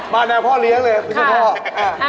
บ้านในพ่อเลี้ยงเลยเชื่อพ่อ